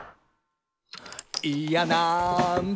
「いやなんと」